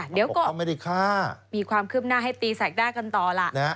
เดี๋ยวก็มีความคืบหน้าให้ตีสักได้กันต่อล่ะ